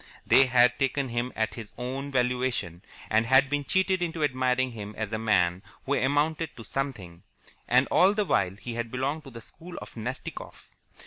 They had taken him at his own valuation, and had been cheated into admiring him as a man who amounted to something, and all the while he had belonged to the school of Nastikoff.